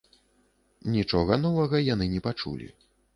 Нічога новага яны не пачулі.